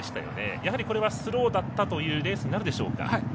やはりこれはスローだったというレースになるでしょうか。